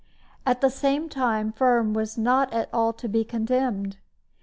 At the same time Firm was not at all to be condemned.